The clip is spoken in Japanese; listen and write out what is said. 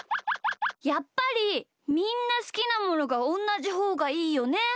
やっぱりみんなすきなものがおんなじほうがいいよね。